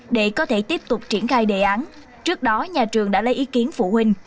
để có thể tiếp tục triển khai đề án trước đó nhà trường đã lấy ý kiến phụ huynh